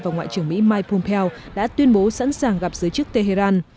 và ngoại trưởng mỹ mike pompeo đã tuyên bố sẵn sàng gặp giới chức tehran